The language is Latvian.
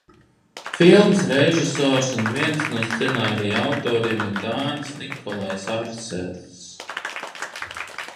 Filmas režisors un viens no scenārija autoriem ir dānis Nikolajs Arsels.